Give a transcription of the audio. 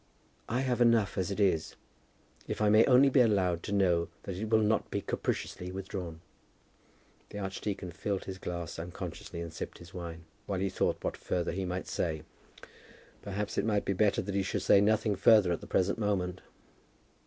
"I have enough as it is, if I may only be allowed to know that it will not be capriciously withdrawn." The archdeacon filled his glass unconsciously, and sipped his wine, while he thought what further he might say. Perhaps it might be better that he should say nothing further at the present moment.